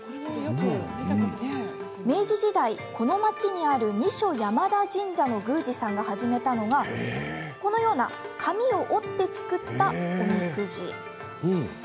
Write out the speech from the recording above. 明治時代、この町にある二所山田神社の宮司さんが始めたのがこのような紙を折って作った、おみくじ。